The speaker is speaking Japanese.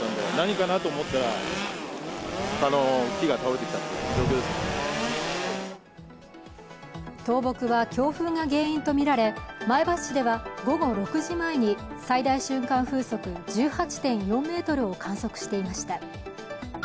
倒木は強風が原因とみられ前橋市では午後６時前に最大瞬間風速、１８．４メートルを観測していました。